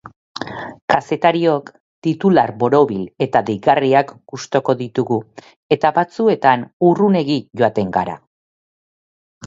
Kazetariok titular borobil eta deigarriak gustuko ditugu, eta batzuetan urrunegi joaten gara.